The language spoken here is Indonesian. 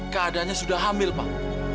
keadanya sudah hamil pak